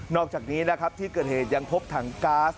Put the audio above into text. อกจากนี้นะครับที่เกิดเหตุยังพบถังก๊าซ